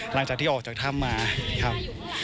หลังจากที่ออกจากถ้ำมาครับ